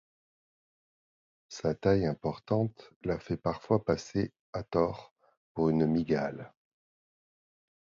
Sa taille importante la fait parfois passer à tort pour une mygale.